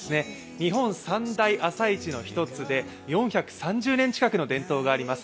日本三大朝市の一つで４３０年近くの伝統があります。